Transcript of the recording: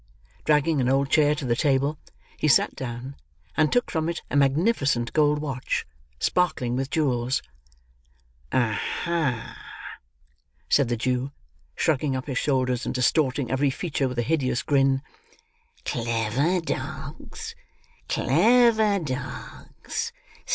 Dragging an old chair to the table, he sat down; and took from it a magnificent gold watch, sparkling with jewels. "Aha!" said the Jew, shrugging up his shoulders, and distorting every feature with a hideous grin. "Clever dogs! Clever dogs!